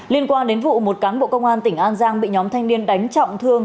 liên quan đến vụ một cán bộ công an tỉnh an giang bị nhóm thanh niên đánh trọng thương